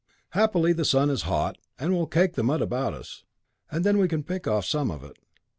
Happily the sun is hot, and will cake the mud about us, and then we can pick off some of it."